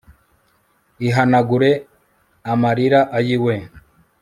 ihanagure amarira ayiwe